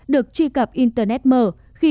được truy cập internet mở khi